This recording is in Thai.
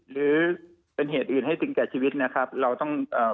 หรือเป็นเหตุอื่นให้สิ่งแก่ชีวิตเราต้อง